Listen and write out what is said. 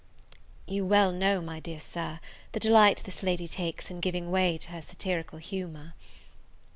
You well know, my dear Sir, the delight this lady takes in giving way to her satirical humour.